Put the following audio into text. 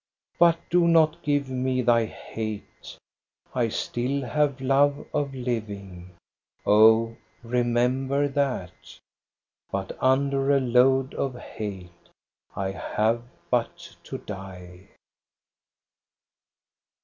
But do not give me thy hate ! I still have love of living ! Oh, remember that ; But under a load of hate I have but to die."